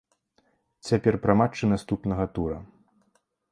Цяпер пра матчы наступнага тура.